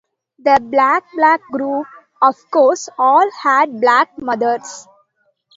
The Black-Black group, of course, all had Black mothers.